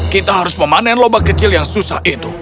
kita harus memanen lobak kecil yang susah itu